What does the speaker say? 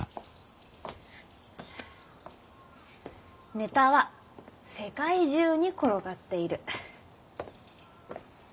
「ネタは世界中に転がっている」。